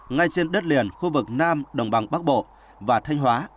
ngay trên đất liền khu vực nam đồng bằng bắc bộ và thanh hóa